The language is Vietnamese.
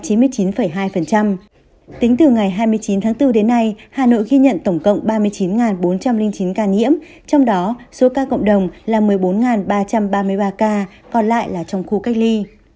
tính từ ngày hai mươi chín tháng bốn đến nay hà nội ghi nhận tổng cộng ba mươi chín bốn trăm linh chín ca nhiễm trong đó số ca cộng đồng là một mươi bốn ba trăm ba mươi ba ca còn lại là trong khu cách ly